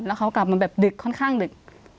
แล้วเขากลับมาแบบดึกค่อนข้างดึก